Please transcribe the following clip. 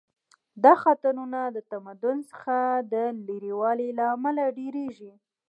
دا خطرونه د تمدن څخه د لرې والي له امله ډیریږي